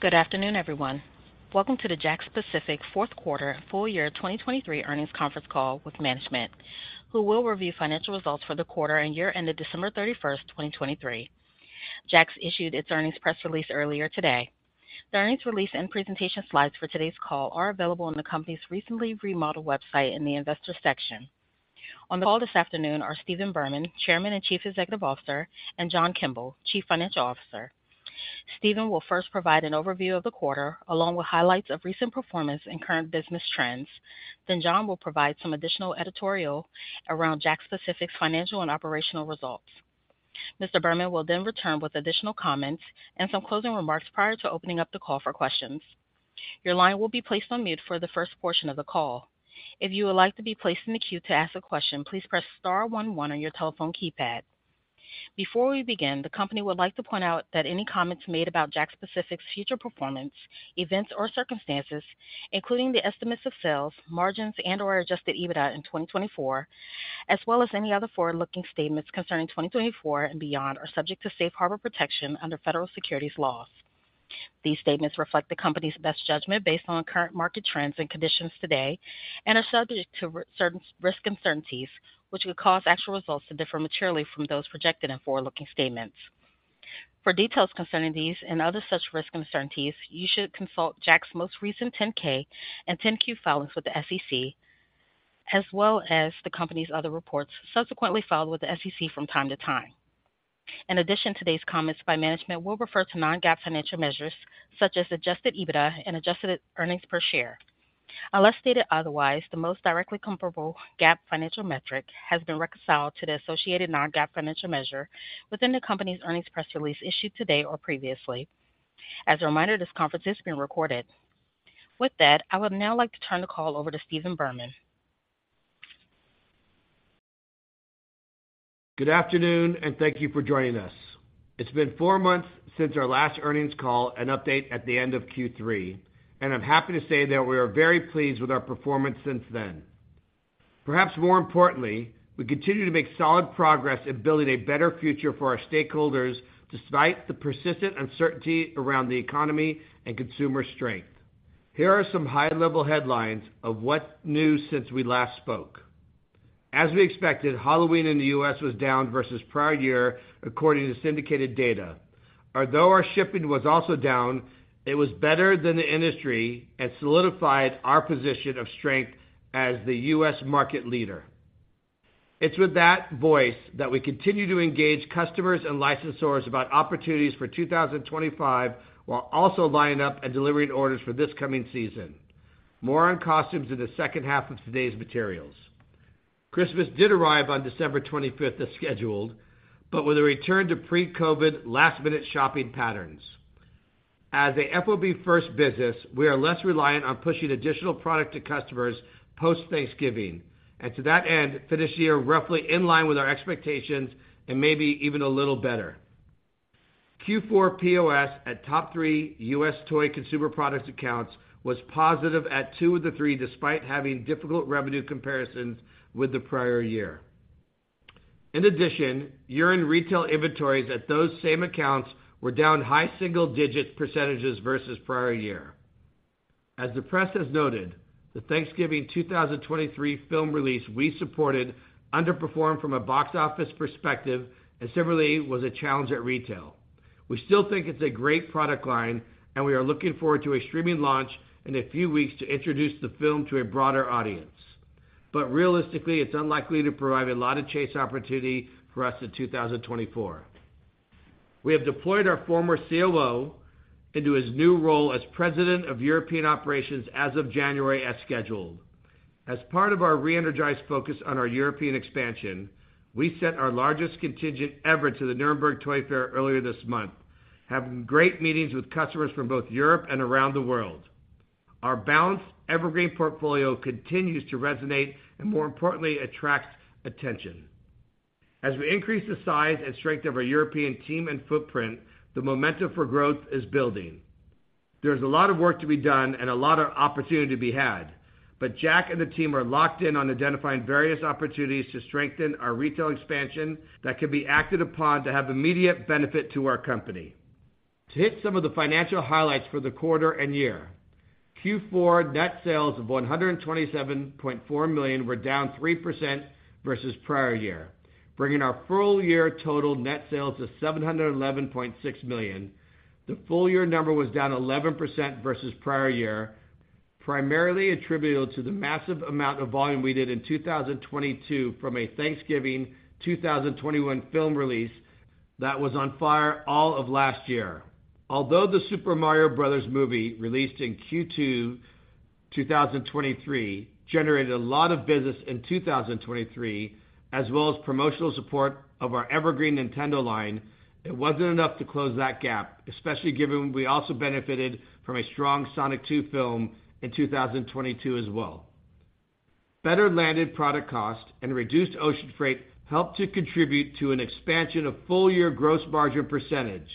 Good afternoon, everyone. Welcome to the JAKKS Pacific fourth quarter full year 2023 earnings conference call with management, who will review financial results for the quarter and year ended December 31st, 2023. JAKKS issued its earnings press release earlier today. The earnings release and presentation slides for today's call are available on the company's recently remodeled website in the Investor Section. On the call this afternoon are Stephen Berman, Chairman and Chief Executive Officer, and John Kimble, Chief Financial Officer. Stephen will first provide an overview of the quarter along with highlights of recent performance and current business trends, then John will provide some additional editorial around JAKKS Pacific's financial and operational results. Mr. Berman will then return with additional comments and some closing remarks prior to opening up the call for questions. Your line will be placed on mute for the first portion of the call. If you would like to be placed in the queue to ask a question, please press star one one on your telephone keypad. Before we begin, the company would like to point out that any comments made about JAKKS Pacific's future performance, events, or circumstances, including the estimates of sales, margins, and/or adjusted EBITDA in 2024, as well as any other forward-looking statements concerning 2024 and beyond, are subject to Safe Harbor protection under federal securities laws. These statements reflect the company's best judgment based on current market trends and conditions today and are subject to certain risk uncertainties, which could cause actual results to differ materially from those projected and forward-looking statements. For details concerning these and other such risk uncertainties, you should consult JAKKS' most recent 10-K and 10-Q filings with the SEC, as well as the company's other reports subsequently filed with the SEC from time to time. In addition, today's comments by management will refer to non-GAAP financial measures such as adjusted EBITDA and adjusted earnings per share. Unless stated otherwise, the most directly comparable GAAP financial metric has been reconciled to the associated non-GAAP financial measure within the company's earnings press release issued today or previously. As a reminder, this conference is being recorded. With that, I would now like to turn the call over to Stephen Berman. Good afternoon and thank you for joining us. It's been four months since our last earnings call, an update at the end of Q3, and I'm happy to say that we are very pleased with our performance since then. Perhaps more importantly, we continue to make solid progress in building a better future for our stakeholders despite the persistent uncertainty around the economy and consumer strength. Here are some high-level headlines of what's new since we last spoke. As we expected, Halloween in the U.S. was down versus prior year, according to syndicated data. Although our shipping was also down, it was better than the industry and solidified our position of strength as the U.S. market leader. It's with that voice that we continue to engage customers and licensors about opportunities for 2025 while also lining up and delivering orders for this coming season. More on costumes in the second half of today's materials. Christmas did arrive on December 25th as scheduled, but with a return to pre-COVID last-minute shopping patterns. As a FOB-first business, we are less reliant on pushing additional product to customers post-Thanksgiving, and to that end, finished the year roughly in line with our expectations and maybe even a little better. Q4 POS at top three U.S. toy consumer products accounts was positive at two of the three despite having difficult revenue comparisons with the prior year. In addition, year-end retail inventories at those same accounts were down high single-digit percentages versus prior year. As the press has noted, the Thanksgiving 2023 film release we supported underperformed from a box office perspective and similarly was a challenge at retail. We still think it's a great product line, and we are looking forward to a streaming launch in a few weeks to introduce the film to a broader audience. But realistically, it's unlikely to provide a lot of chase opportunity for us in 2024. We have deployed our former COO into his new role as president of European operations as of January as scheduled. As part of our re-energized focus on our European expansion, we sent our largest contingent ever to the Nuremberg Toy Fair earlier this month, having great meetings with customers from both Europe and around the world. Our balanced, evergreen portfolio continues to resonate and, more importantly, attracts attention. As we increase the size and strength of our European team and footprint, the momentum for growth is building. There's a lot of work to be done and a lot of opportunity to be had, but JAKKS and the team are locked in on identifying various opportunities to strengthen our retail expansion that can be acted upon to have immediate benefit to our company. To hit some of the financial highlights for the quarter and year, Q4 net sales of $127.4 million were down 3% versus prior year, bringing our full year total net sales to $711.6 million. The full year number was down 11% versus prior year, primarily attributable to the massive amount of volume we did in 2022 from a Thanksgiving 2021 film release that was on fire all of last year. Although the Super Mario Bros. Movie released in Q2 2023 generated a lot of business in 2023, as well as promotional support of our evergreen Nintendo line. It wasn't enough to close that gap, especially given we also benefited from a strong Sonic 2 film in 2022 as well. Better-landed product cost and reduced ocean freight helped to contribute to an expansion of full-year gross margin percentage.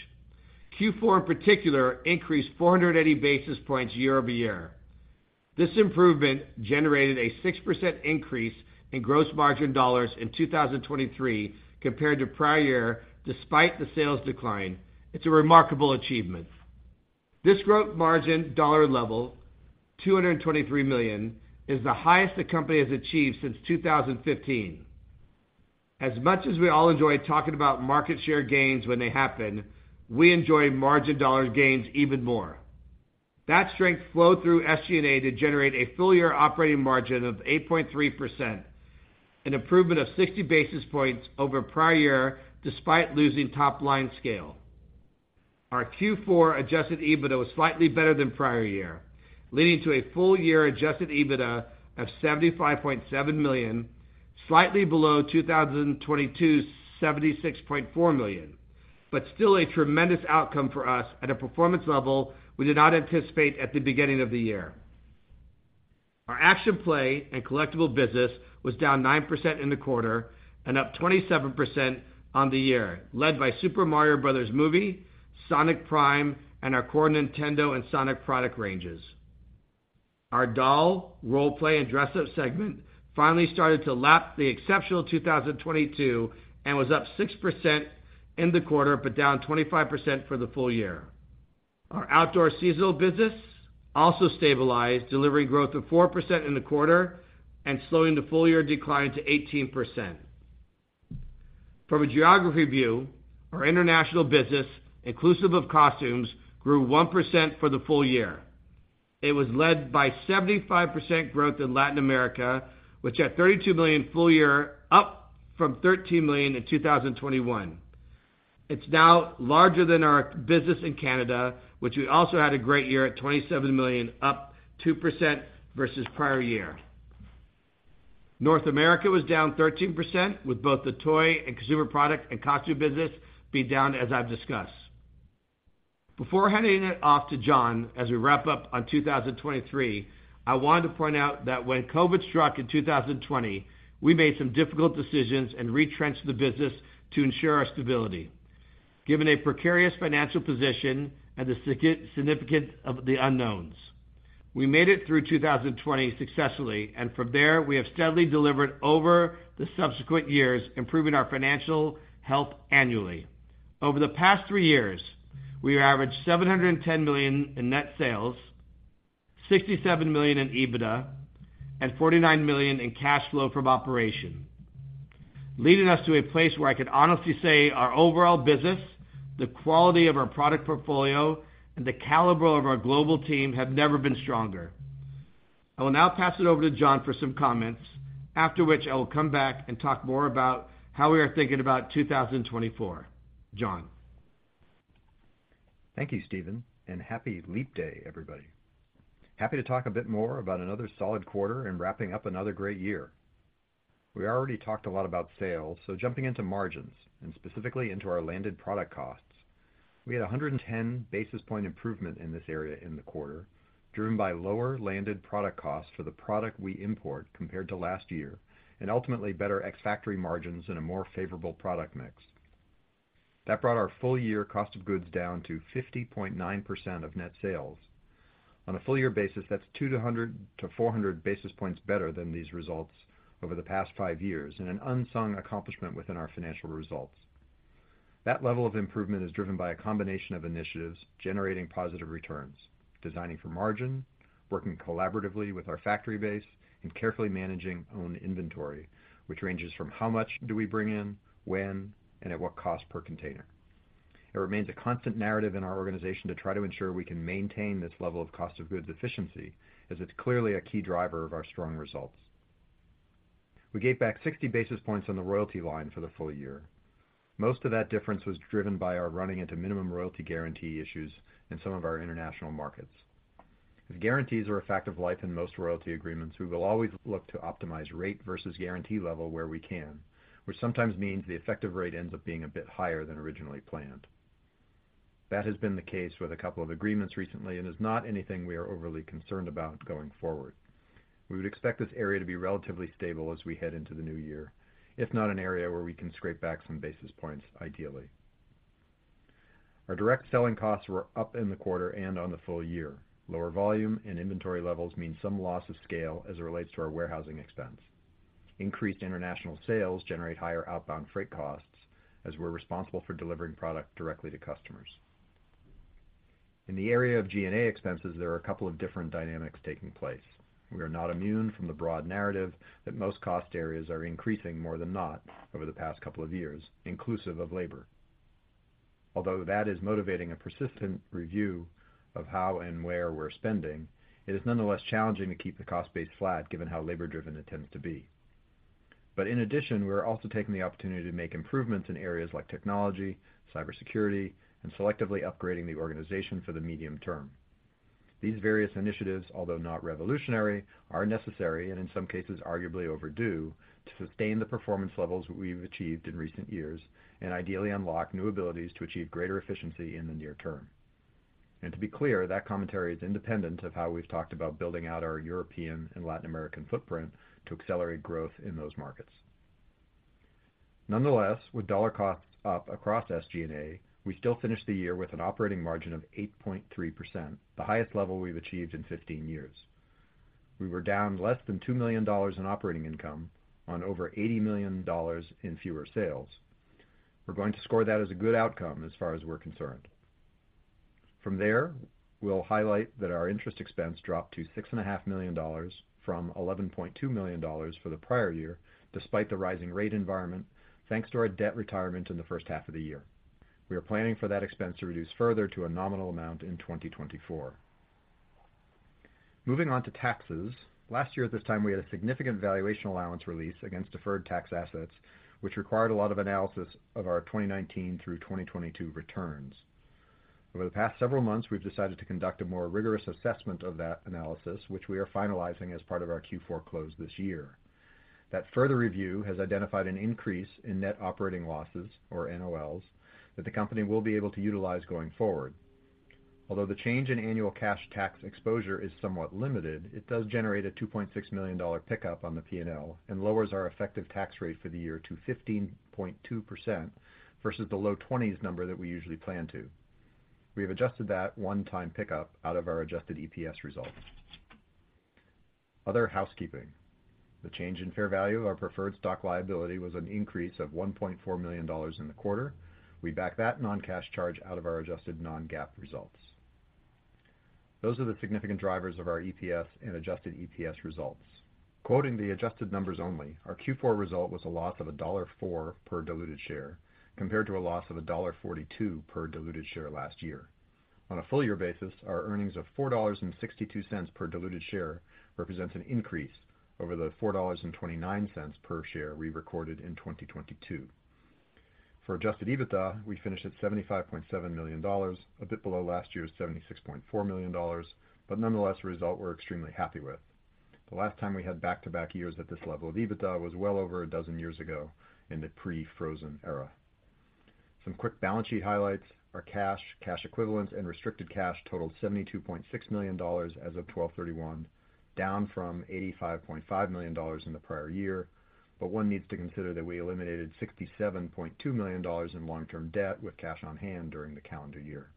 Q4 in particular increased 480 basis points year-over-year. This improvement generated a 6% increase in gross margin dollars in 2023 compared to prior year despite the sales decline. It's a remarkable achievement. This gross margin dollar level, $223 million, is the highest the company has achieved since 2015. As much as we all enjoy talking about market share gains when they happen, we enjoy margin dollar gains even more. That strength flowed through SG&A to generate a full year operating margin of 8.3%, an improvement of 60 basis points over prior year despite losing top line scale. Our Q4 adjusted EBITDA was slightly better than prior year, leading to a full year adjusted EBITDA of $75.7 million, slightly below 2022's $76.4 million, but still a tremendous outcome for us at a performance level we did not anticipate at the beginning of the year. Our action play and collectible business was down 9% in the quarter and up 27% on the year, led by Super Mario Bros. movie, Sonic Prime, and our core Nintendo and Sonic product ranges. Our doll, role-play, and dress-up segment finally started to lap the exceptional 2022 and was up 6% in the quarter but down 25% for the full year. Our outdoor seasonal business also stabilized, delivering growth of 4% in the quarter and slowing the full year decline to 18%. From a geography view, our international business, inclusive of costumes, grew 1% for the full year. It was led by 75% growth in Latin America, which at $32 million full year, up from $13 million in 2021. It's now larger than our business in Canada, which we also had a great year at $27 million, up 2% versus prior year. North America was down 13%, with both the toy and consumer product and costume business being down, as I've discussed. Before handing it off to John as we wrap up on 2023, I wanted to point out that when COVID struck in 2020, we made some difficult decisions and retrenched the business to ensure our stability, given a precarious financial position and the significance of the unknowns. We made it through 2020 successfully, and from there, we have steadily delivered over the subsequent years, improving our financial health annually. Over the past three years, we averaged $710 million in net sales, $67 million in EBITDA, and $49 million in cash flow from operation, leading us to a place where I can honestly say our overall business, the quality of our product portfolio, and the caliber of our global team have never been stronger. I will now pass it over to John for some comments, after which I will come back and talk more about how we are thinking about 2024. John. Thank you, Stephen, and Happy Leap Day, everybody. Happy to talk a bit more about another solid quarter and wrapping up another great year. We already talked a lot about sales, so jumping into margins and specifically into our landed product costs, we had a 110 basis point improvement in this area in the quarter, driven by lower landed product costs for the product we import compared to last year and ultimately better ex-factory margins and a more favorable product mix. That brought our full year cost of goods down to 50.9% of net sales. On a full year basis, that's 200-400 basis points better than these results over the past five years and an unsung accomplishment within our financial results. That level of improvement is driven by a combination of initiatives generating positive returns: designing for margin, working collaboratively with our factory base, and carefully managing own inventory, which ranges from how much do we bring in, when, and at what cost per container. It remains a constant narrative in our organization to try to ensure we can maintain this level of cost of goods efficiency, as it's clearly a key driver of our strong results. We gave back 60 basis points on the royalty line for the full year. Most of that difference was driven by our running into minimum royalty guarantee issues in some of our international markets. If guarantees are a fact of life in most royalty agreements, we will always look to optimize rate versus guarantee level where we can, which sometimes means the effective rate ends up being a bit higher than originally planned. That has been the case with a couple of agreements recently and is not anything we are overly concerned about going forward. We would expect this area to be relatively stable as we head into the new year, if not an area where we can scrape back some basis points, ideally. Our direct selling costs were up in the quarter and on the full year. Lower volume and inventory levels mean some loss of scale as it relates to our warehousing expense. Increased international sales generate higher outbound freight costs as we're responsible for delivering product directly to customers. In the area of G&A expenses, there are a couple of different dynamics taking place. We are not immune from the broad narrative that most cost areas are increasing more than not over the past couple of years, inclusive of labor. Although that is motivating a persistent review of how and where we're spending, it is nonetheless challenging to keep the cost base flat given how labor-driven it tends to be. In addition, we are also taking the opportunity to make improvements in areas like technology, cybersecurity, and selectively upgrading the organization for the medium term. These various initiatives, although not revolutionary, are necessary and in some cases arguably overdue to sustain the performance levels we've achieved in recent years and ideally unlock new abilities to achieve greater efficiency in the near term. To be clear, that commentary is independent of how we've talked about building out our European and Latin American footprint to accelerate growth in those markets. Nonetheless, with dollar costs up across SG&A, we still finished the year with an operating margin of 8.3%, the highest level we've achieved in 15 years. We were down less than $2 million in operating income on over $80 million in fewer sales. We're going to score that as a good outcome as far as we're concerned. From there, we'll highlight that our interest expense dropped to $6.5 million from $11.2 million for the prior year despite the rising rate environment, thanks to our debt retirement in the first half of the year. We are planning for that expense to reduce further to a nominal amount in 2024. Moving on to taxes, last year at this time, we had a significant valuation allowance release against deferred tax assets, which required a lot of analysis of our 2019 through 2022 returns. Over the past several months, we've decided to conduct a more rigorous assessment of that analysis, which we are finalizing as part of our Q4 close this year. That further review has identified an increase in net operating losses, or NOLs, that the company will be able to utilize going forward. Although the change in annual cash tax exposure is somewhat limited, it does generate a $2.6 million pickup on the P&L and lowers our effective tax rate for the year to 15.2% versus the low 20s number that we usually plan to. We have adjusted that one-time pickup out of our adjusted EPS results. Other housekeeping: the change in fair value of our preferred stock liability was an increase of $1.4 million in the quarter. We back that non-cash charge out of our adjusted non-GAAP results. Those are the significant drivers of our EPS and adjusted EPS results. Quoting the adjusted numbers only, our Q4 result was a loss of $1.04 per diluted share compared to a loss of $1.42 per diluted share last year. On a full year basis, our earnings of $4.62 per diluted share represents an increase over the $4.29 per share we recorded in 2022. For adjusted EBITDA, we finished at $75.7 million, a bit below last year's $76.4 million, but nonetheless, a result we're extremely happy with. The last time we had back-to-back years at this level of EBITDA was well over a dozen years ago in the pre-Frozen era. Some quick balance sheet highlights: our cash, cash equivalents, and restricted cash totaled $72.6 million as of 12/31, down from $85.5 million in the prior year, but one needs to consider that we eliminated $67.2 million in long-term debt with cash on hand during the calendar year.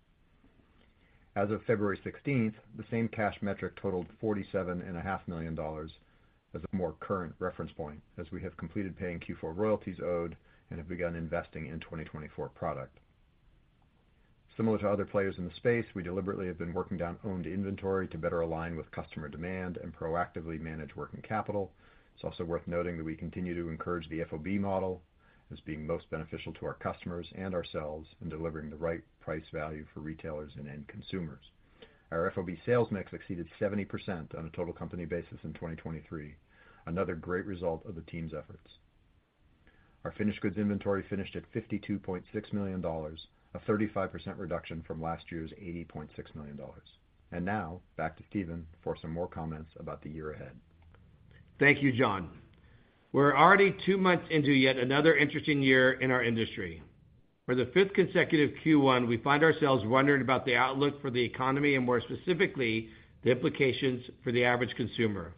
As of February 16th, the same cash metric totaled $47.5 million as a more current reference point as we have completed paying Q4 royalties owed and have begun investing in 2024 product. Similar to other players in the space, we deliberately have been working down owned inventory to better align with customer demand and proactively manage working capital. It's also worth noting that we continue to encourage the FOB model as being most beneficial to our customers and ourselves in delivering the right price value for retailers and end consumers. Our FOB sales mix exceeded 70% on a total company basis in 2023, another great result of the team's efforts. Our finished goods inventory finished at $52.6 million, a 35% reduction from last year's $80.6 million. Now back to Stephen for some more comments about the year ahead. Thank you, John. We're already two months into yet another interesting year in our industry. For the fifth consecutive Q1, we find ourselves wondering about the outlook for the economy and more specifically the implications for the average consumer.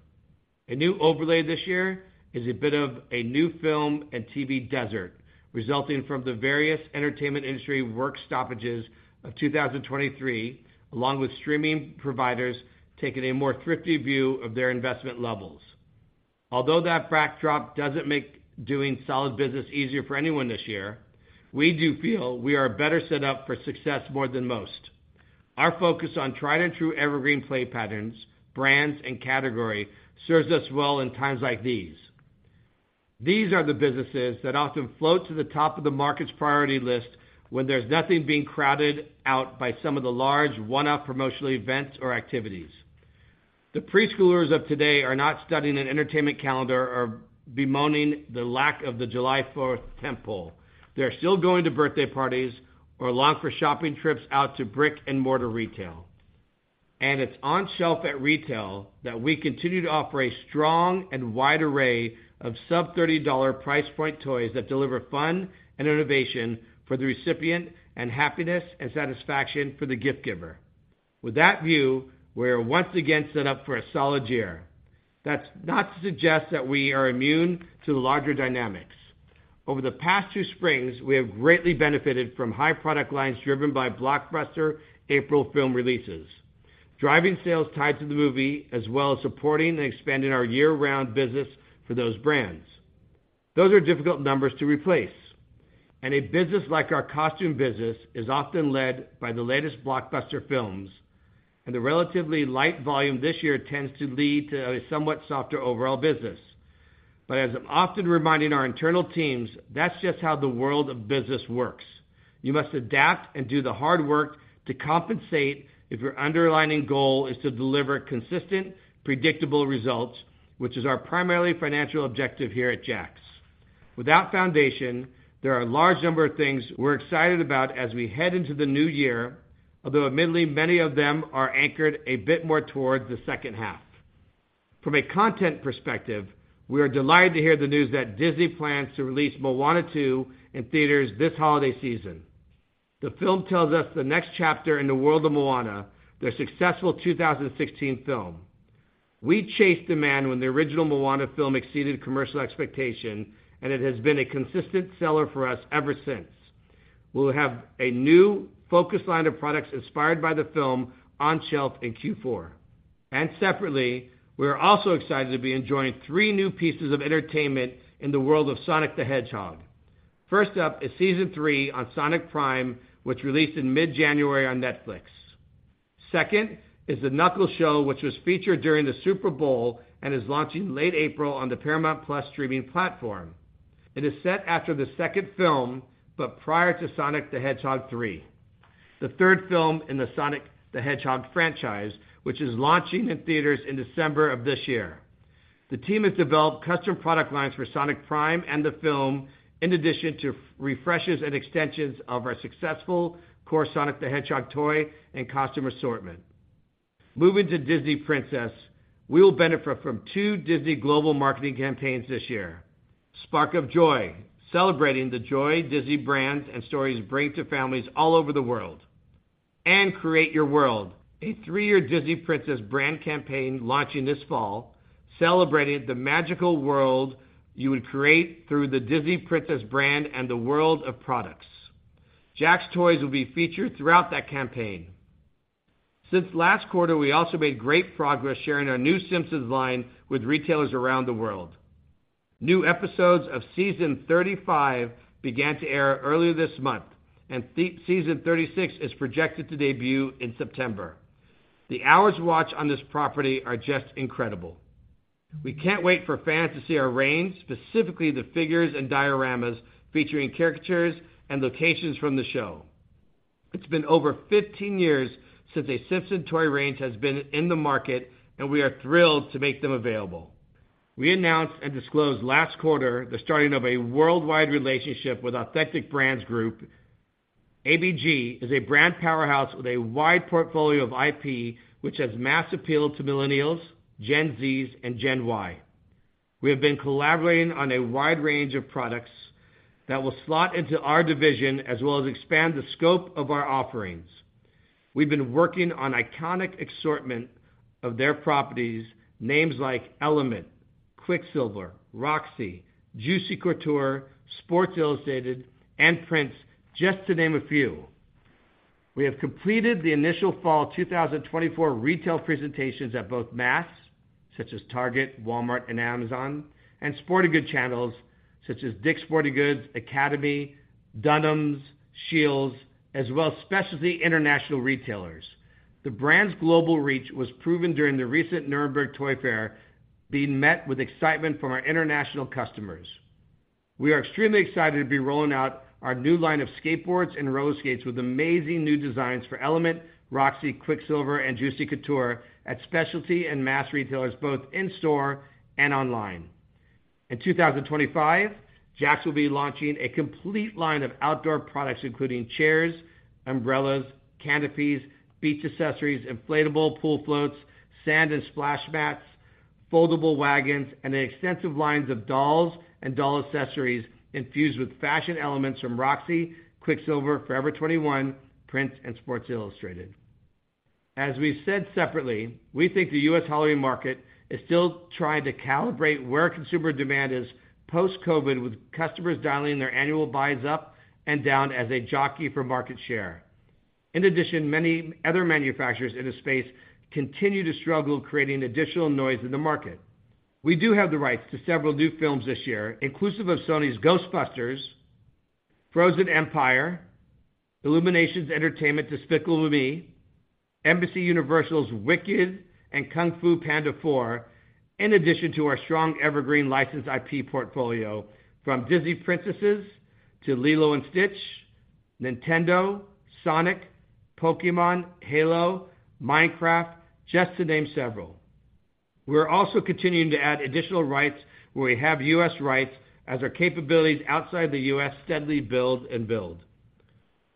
A new overlay this year is a bit of a new film and TV desert resulting from the various entertainment industry work stoppages of 2023, along with streaming providers taking a more thrifty view of their investment levels. Although that backdrop doesn't make doing solid business easier for anyone this year, we do feel we are better set up for success more than most. Our focus on tried-and-true evergreen play patterns, brands, and category serves us well in times like these. These are the businesses that often float to the top of the market's priority list when there's nothing being crowded out by some of the large one-off promotional events or activities. The preschoolers of today are not studying an entertainment calendar or bemoaning the lack of the July 4th tent pole. They're still going to birthday parties or long for shopping trips out to brick-and-mortar retail. And it's on shelf at retail that we continue to offer a strong and wide array of sub-$30 price point toys that deliver fun and innovation for the recipient and happiness and satisfaction for the gift giver. With that view, we are once again set up for a solid year. That's not to suggest that we are immune to the larger dynamics. Over the past two springs, we have greatly benefited from high product lines driven by blockbuster April film releases, driving sales tied to the movie as well as supporting and expanding our year-round business for those brands. Those are difficult numbers to replace. A business like our costume business is often led by the latest blockbuster films, and the relatively light volume this year tends to lead to a somewhat softer overall business. But as I'm often reminding our internal teams, that's just how the world of business works. You must adapt and do the hard work to compensate if your underlying goal is to deliver consistent, predictable results, which is our primary financial objective here at JAKKS. Without foundation, there are a large number of things we're excited about as we head into the new year, although admittedly, many of them are anchored a bit more towards the second half. From a content perspective, we are delighted to hear the news that Disney plans to release Moana 2 in theaters this holiday season. The film tells us the next chapter in the world of Moana, their successful 2016 film. We chased demand when the original Moana film exceeded commercial expectations, and it has been a consistent seller for us ever since. We'll have a new focus line of products inspired by the film on shelf in Q4. Separately, we are also excited to be enjoying three new pieces of entertainment in the world of Sonic the Hedgehog. First up is season three on Sonic Prime, which released in mid-January on Netflix. Second is The Knuckles Show, which was featured during the Super Bowl and is launching late April on the Paramount+ streaming platform. It is set after the second film but prior to Sonic the Hedgehog 3, the third film in the Sonic the Hedgehog franchise, which is launching in theaters in December of this year. The team has developed custom product lines for Sonic Prime and the film in addition to refreshes and extensions of our successful core Sonic the Hedgehog toy and costume assortment. Moving to Disney Princess, we will benefit from two Disney global marketing campaigns this year: Spark of Joy, celebrating the joy Disney brands and stories bring to families all over the world, and Create Your World, a three-year Disney Princess brand campaign launching this fall, celebrating the magical world you would create through the Disney Princess brand and the world of products. JAKKS toys will be featured throughout that campaign. Since last quarter, we also made great progress sharing our new Simpsons line with retailers around the world. New episodes of season 35 began to air earlier this month, and season 36 is projected to debut in September. The hours watched on this property are just incredible. We can't wait for fans to see our range, specifically the figures and dioramas featuring caricatures and locations from the show. It's been over 15 years since a Simpsons toy range has been in the market, and we are thrilled to make them available. We announced and disclosed last quarter the starting of a worldwide relationship with Authentic Brands Group. ABG is a brand powerhouse with a wide portfolio of IP, which has mass appeal to millennials, Gen Zs, and Gen Y. We have been collaborating on a wide range of products that will slot into our division as well as expand the scope of our offerings. We've been working on iconic assortment of their properties, names like Element, Quiksilver, Roxy, Juicy Couture, Sports Illustrated, and Prince, just to name a few. We have completed the initial fall 2024 retail presentations at both mass, such as Target, Walmart, and Amazon, and sporting goods channels, such as Dick's Sporting Goods, Academy, Dunham's, Scheels, as well as specialty international retailers. The brand's global reach was proven during the recent Nuremberg Toy Fair, being met with excitement from our international customers. We are extremely excited to be rolling out our new line of skateboards and roller skates with amazing new designs for Element, Roxy, Quiksilver, and Juicy Couture at specialty and mass retailers, both in-store and online. In 2025, JAKKS will be launching a complete line of outdoor products, including chairs, umbrellas, canopies, beach accessories, inflatable pool floats, sand and splash mats, foldable wagons, and extensive lines of dolls and doll accessories infused with fashion elements from Roxy, Quiksilver, Forever 21, Prince, and Sports Illustrated. As we've said separately, we think the U.S. holiday market is still trying to calibrate where consumer demand is post-COVID, with customers dialing their annual buys up and down as a jockey for market share. In addition, many other manufacturers in the space continue to struggle creating additional noise in the market. We do have the rights to several new films this year, inclusive of Sony's Ghostbusters: Frozen Empire, Illumination Entertainment's Despicable Me, NBCUniversal's Wicked and Kung Fu Panda 4, in addition to our strong evergreen licensed IP portfolio from Disney Princesses to Lilo & Stitch, Nintendo, Sonic, Pokémon, Halo, Minecraft, just to name several. We're also continuing to add additional rights where we have U.S. rights as our capabilities outside the U.S. steadily build and build.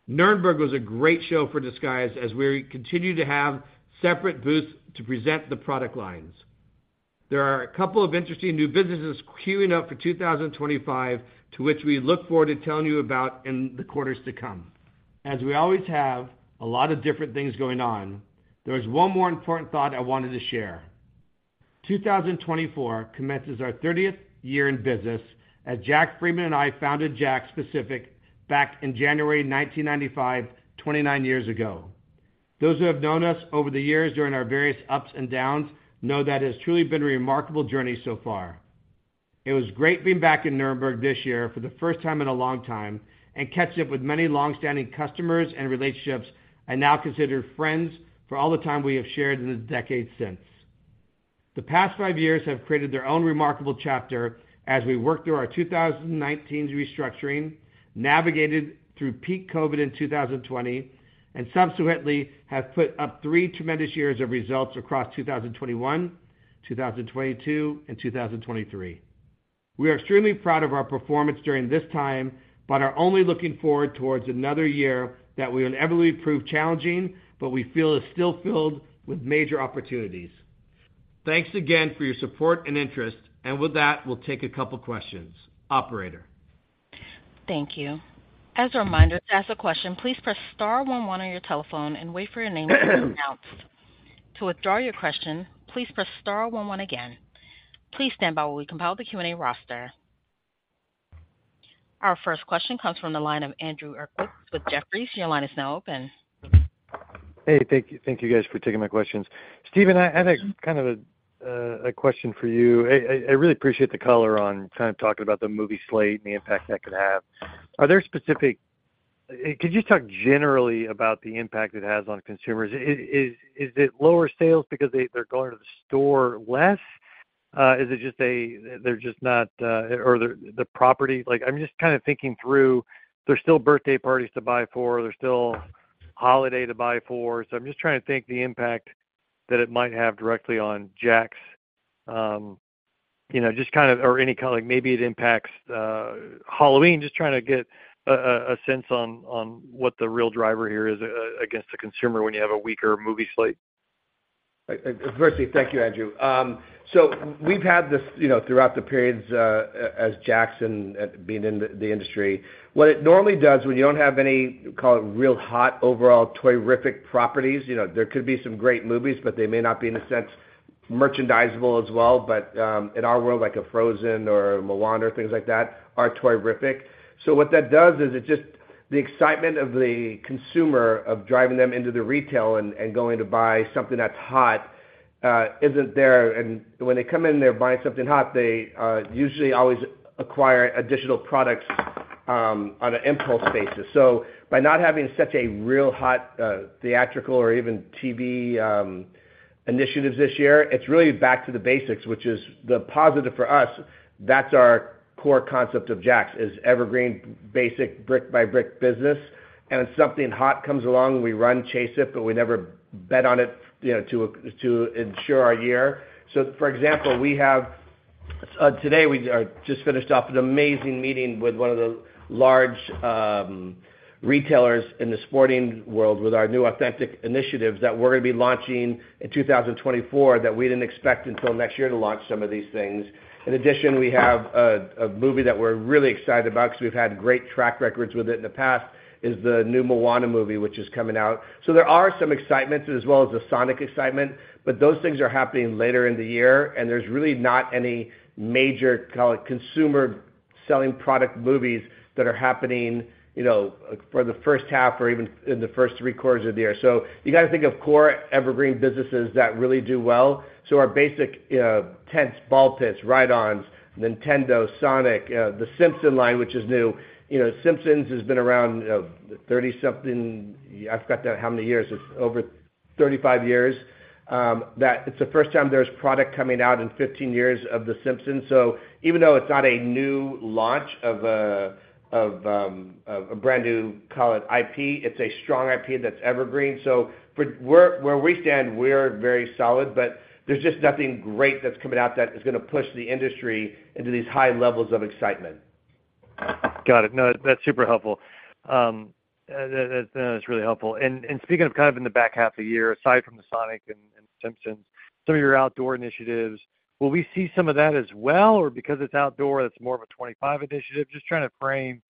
Nuremberg was a great show for Disguise as we continue to have separate booths to present the product lines. There are a couple of interesting new businesses queuing up for 2025, to which we look forward to telling you about in the quarters to come. As we always have, a lot of different things going on, there is one more important thought I wanted to share. 2024 commences our 30th year in business. Jack Friedman and I founded JAKKS Pacific back in January 1995, 29 years ago. Those who have known us over the years during our various ups and downs know that it has truly been a remarkable journey so far. It was great being back in Nuremberg this year for the first time in a long time and catching up with many longstanding customers and relationships I now consider friends for all the time we have shared in the decades since. The past five years have created their own remarkable chapter as we worked through our 2019 restructuring, navigated through peak COVID in 2020, and subsequently have put up three tremendous years of results across 2021, 2022, and 2023. We are extremely proud of our performance during this time, but are only looking forward towards another year that we will inevitably prove challenging, but we feel is still filled with major opportunities. Thanks again for your support and interest, and with that, we'll take a couple of questions. Operator. Thank you. As a reminder, to ask a question, please press star one one on your telephone and wait for your name to be announced. To withdraw your question, please press star one one again. Please stand by while we compile the Q&A roster. Our first question comes from the line of Andrew Uerkwitz with Jefferies. Your line is now open. Hey, thank you guys for taking my questions. Stephen, I had kind of a question for you. I really appreciate the color on kind of talking about the movie slate and the impact that could have. Are there specific— could you just talk generally about the impact it has on consumers? Is it lower sales because they're going to the store less? Is it just they're just not or the property? I'm just kind of thinking through there's still birthday parties to buy for. There's still holiday to buy for. So I'm just trying to think the impact that it might have directly on JAKKS, just kind of or any maybe it impacts Halloween, just trying to get a sense on what the real driver here is against a consumer when you have a weaker movie slate? Firstly, thank you, Andrew. So we've had this throughout the periods as JAKKS and being in the industry. What it normally does when you don't have any, call it, real hot overall toy-rific properties there could be some great movies, but they may not be in the sense merchandisable as well. But in our world, like a Frozen or Moana or things like that, are toy-rific. So what that does is it just the excitement of the consumer of driving them into the retail and going to buy something that's hot isn't there. And when they come in there buying something hot, they usually always acquire additional products on an impulse basis. So by not having such a real hot theatrical or even TV initiative this year, it's really back to the basics, which is the positive for us. That's our core concept of JAKKS, is evergreen, basic, brick-by-brick business. When something hot comes along, we run, chase it, but we never bet on it to ensure our year. For example, we have today, we just finished off an amazing meeting with one of the large retailers in the sporting world with our new Authentic initiatives that we're going to be launching in 2024 that we didn't expect until next year to launch some of these things. In addition, we have a movie that we're really excited about because we've had great track records with it in the past, is the new Moana movie, which is coming out. So there are some excitements as well as the Sonic excitement, but those things are happening later in the year. There's really not any major, call it, consumer-selling product movies that are happening for the first half or even in the first three quarters of the year. So you got to think of core evergreen businesses that really do well. So our basic tents, ball pits, ride-ons, Nintendo, Sonic, the Simpsons line, which is new. Simpsons has been around 30-something. I've got that—how many years? It's over 35 years. It's the first time there's product coming out in 15 years of the Simpsons. So even though it's not a new launch of a brand new, call it, IP, it's a strong IP that's evergreen. So where we stand, we're very solid, but there's just nothing great that's coming out that is going to push the industry into these high levels of excitement. Got it. No, that's super helpful. No, that's really helpful. And speaking of kind of in the back half of the year, aside from the Sonic and Simpsons, some of your outdoor initiatives, will we see some of that as well, or because it's outdoor, it's more of a 2025 initiative? Just trying to frame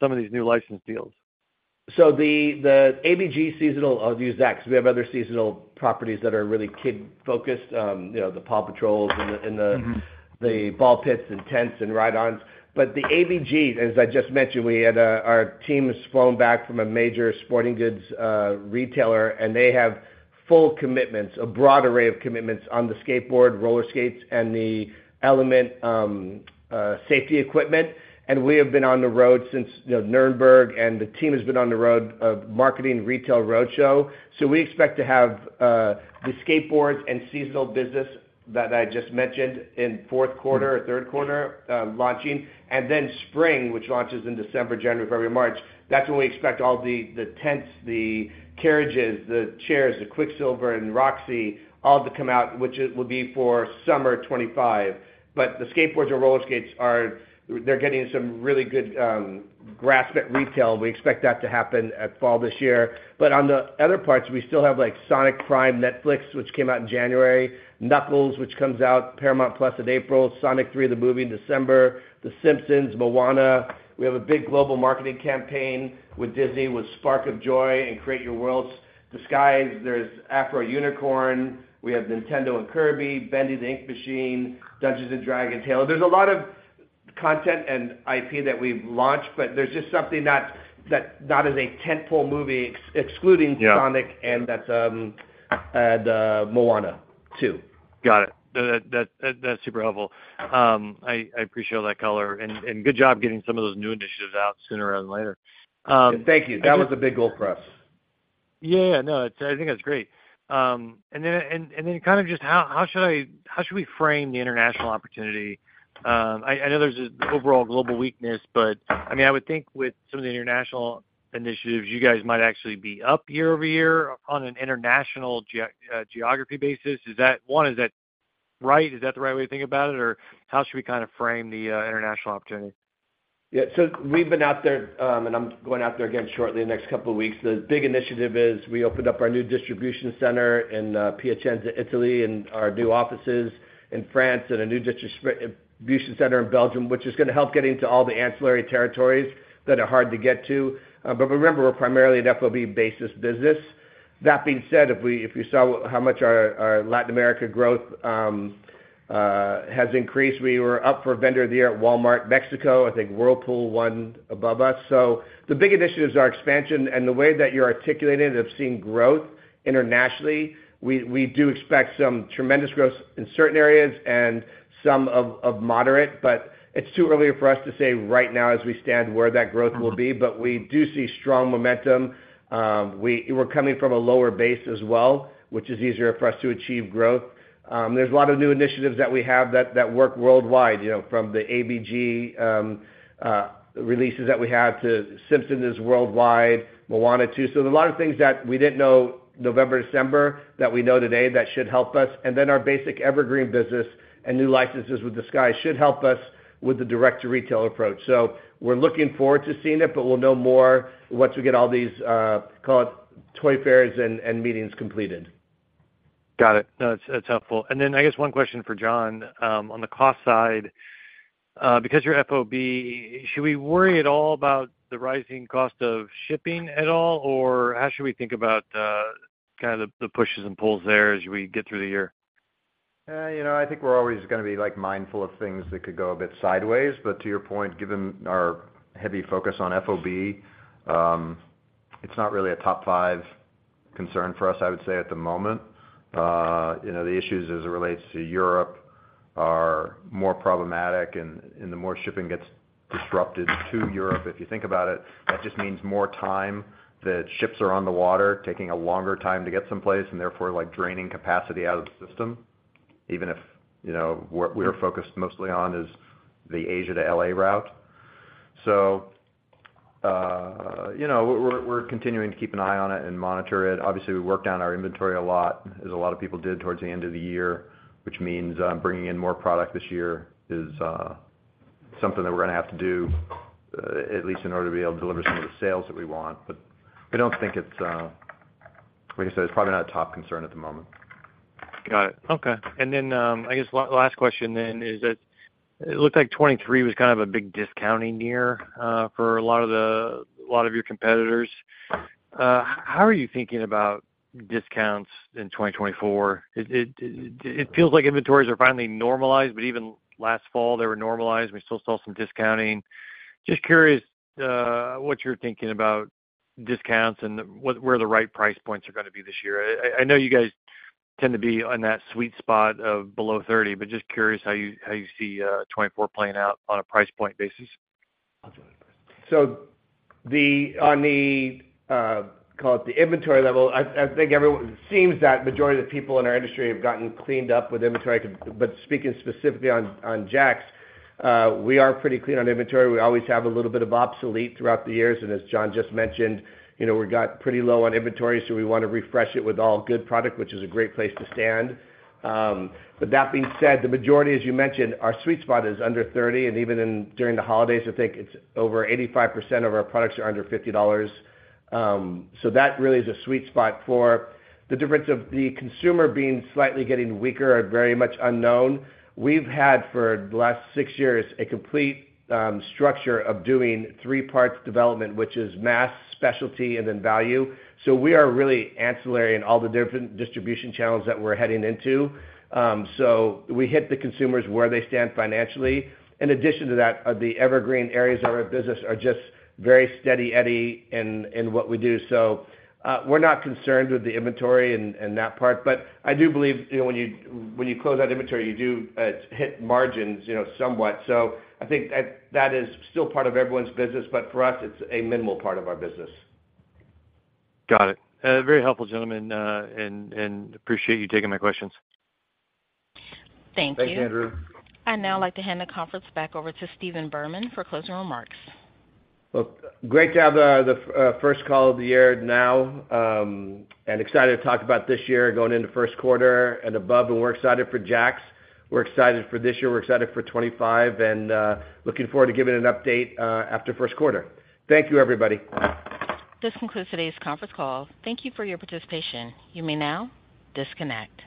some of these new license deals. So the ABG seasonal I'll use that because we have other seasonal properties that are really kid-focused, the Paw Patrols and the ball pits and tents and ride-ons. But the ABG, as I just mentioned, we had our team has flown back from a major sporting goods retailer, and they have full commitments, a broad array of commitments on the skateboard, roller skates, and the Element safety equipment. And we have been on the road since Nuremberg, and the team has been on the road of marketing retail roadshow. So we expect to have the skateboards and seasonal business that I just mentioned in fourth quarter or third quarter launching. And then spring, which launches in December, January, February, March, that's when we expect all the tents, the carriages, the chairs, the Quiksilver and Roxy, all to come out, which will be for summer 2025. But the skateboards or roller skates, they're getting some really good grasp at retail. We expect that to happen at fall this year. But on the other parts, we still have Sonic Prime, Netflix, which came out in January, Knuckles, which comes out, Paramount Plus in April, Sonic 3, the movie, in December, The Simpsons, Moana. We have a big global marketing campaign with Disney with Spark of Joy and Create Your World's Disguise. There's Afro Unicorn. We have Nintendo and Kirby, Bendy and the Ink Machine, Dungeons and Dragons, Halo. There's a lot of content and IP that we've launched, but there's just something that's not as a tentpole movie, excluding Sonic and Moana too. Got it. That's super helpful. I appreciate all that color. Good job getting some of those new initiatives out sooner rather than later. Thank you. That was a big goal for us. Yeah, yeah. No, I think that's great. And then kind of just how should we frame the international opportunity? I know there's an overall global weakness, but I mean, I would think with some of the international initiatives, you guys might actually be up year-over-year on an international geography basis. One, is that right? Is that the right way to think about it, or how should we kind of frame the international opportunity? Yeah. So we've been out there, and I'm going out there again shortly, the next couple of weeks. The big initiative is we opened up our new distribution center in Piacenza, Italy, and our new offices in France and a new distribution center in Belgium, which is going to help get into all the ancillary territories that are hard to get to. But remember, we're primarily an FOB-based business. That being said, if you saw how much our Latin America growth has increased, we were up for a vendor of the year at Walmart Mexico. I think Whirlpool won above us. So the big initiatives are expansion. And the way that you're articulating it, of seeing growth internationally, we do expect some tremendous growth in certain areas and some of moderate. But it's too early for us to say right now as we stand where that growth will be. But we do see strong momentum. We're coming from a lower base as well, which is easier for us to achieve growth. There's a lot of new initiatives that we have that work worldwide, from the ABG releases that we have to Simpsons is worldwide, Moana 2. So there's a lot of things that we didn't know November, December that we know today that should help us. And then our basic evergreen business and new licenses with Disguise should help us with the direct-to-retail approach. So we're looking forward to seeing it, but we'll know more once we get all these, call it, toy fairs and meetings completed. Got it. No, that's helpful. And then I guess one question for John. On the cost side, because you're FOB, should we worry at all about the rising cost of shipping at all, or how should we think about kind of the pushes and pulls there as we get through the year? I think we're always going to be mindful of things that could go a bit sideways. But to your point, given our heavy focus on FOB, it's not really a top five concern for us, I would say, at the moment. The issues as it relates to Europe are more problematic. The more shipping gets disrupted to Europe, if you think about it, that just means more time that ships are on the water, taking a longer time to get someplace, and therefore draining capacity out of the system, even if what we're focused mostly on is the Asia to L.A. route. So we're continuing to keep an eye on it and monitor it. Obviously, we work down our inventory a lot, as a lot of people did towards the end of the year, which means bringing in more product this year is something that we're going to have to do, at least in order to be able to deliver some of the sales that we want. But I don't think it's like I said, it's probably not a top concern at the moment. Got it. Okay. And then I guess last question then is that it looked like 2023 was kind of a big discounting year for a lot of your competitors. How are you thinking about discounts in 2024? It feels like inventories are finally normalized, but even last fall, they were normalized. We still saw some discounting. Just curious what you're thinking about discounts and where the right price points are going to be this year. I know you guys tend to be on that sweet spot of below $30, but just curious how you see 2024 playing out on a price point basis? So, on the—call it—the inventory level, I think everyone it seems that majority of the people in our industry have gotten cleaned up with inventory. But speaking specifically on JAKKS, we are pretty clean on inventory. We always have a little bit of obsolete throughout the years. And as John just mentioned, we're got pretty low on inventory, so we want to refresh it with all good product, which is a great place to stand. But that being said, the majority, as you mentioned, our sweet spot is under $30. And even during the holidays, I think it's over 85% of our products are under $50. So that really is a sweet spot for. The difference of the consumer being slightly getting weaker or very much unknown. We've had for the last six years a complete structure of doing three-parts development, which is mass, specialty, and then value. So we are really ancillary in all the different distribution channels that we're heading into. So we hit the consumers where they stand financially. In addition to that, the evergreen areas of our business are just very steady eddy in what we do. So we're not concerned with the inventory and that part. But I do believe when you close out inventory, you do hit margins somewhat. So I think that is still part of everyone's business, but for us, it's a minimal part of our business. Got it. Very helpful, gentlemen, and appreciate you taking my questions. Thank you. Thanks, Andrew. I now would like to hand the conference back over to Stephen Berman for closing remarks. Well, great to have the first call of the year now and excited to talk about this year going into first quarter and above. We're excited for JAKKS. We're excited for this year. We're excited for 2025 and looking forward to giving an update after first quarter. Thank you, everybody. This concludes today's conference call. Thank you for your participation. You may now disconnect.